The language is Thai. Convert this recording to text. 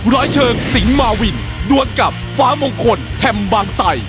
ร้อยเชิงสิงหมาวินดวนกับฟ้ามงคลแทม์บางไส